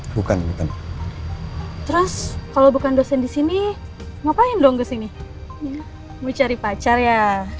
bukan bukan terus kalau bukan dosen di sini ngapain dong kesini mau cari pacar ya